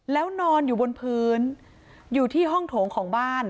แล้วนอนอยู่บนพื้นอยู่ที่ห้องโถงของบ้าน